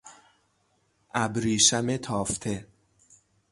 ابریشم تافته